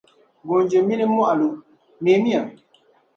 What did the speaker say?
Goonji minii mɔɣilo, neemiya!